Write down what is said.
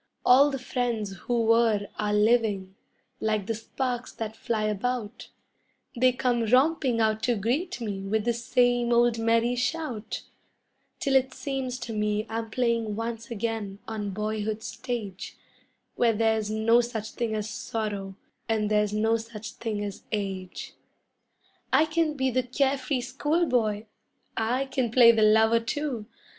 All the friends who were are living like the sparks that fly about; They come romping out to greet me with the same old merry shout, Till it seems to me I'm playing once again on boyhood's stage, Where there's no such thing as sorrow and there's no such thing as age. I can be the care free schoolboy! I can play the lover, too!